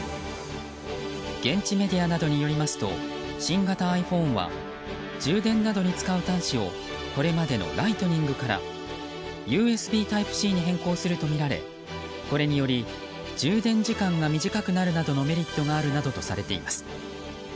現地メディアなどによりますと新型ｉＰｈｏｎｅは充電などに使う端子をこれまでのライトニングからＵＳＢタイプＣに変更するとみられこれにより、充電時間が短くなるなどのメリットがあるなどとされています。